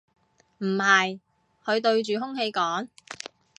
唔係，佢對住空氣講